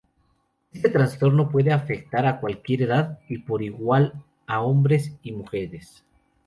Este trastorno puede afectar a cualquier edad y por igual a hombres y mujeres.